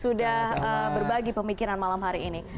sudah berbagi pemikiran malam hari ini